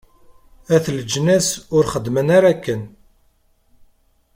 At leǧnas, ur xeddmen ara akken?